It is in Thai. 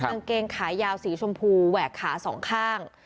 กางเกงขายาวสีชมพูแหวกขาสองข้าง